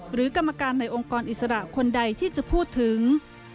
กรรมการในองค์กรอิสระคนใดที่จะพูดถึง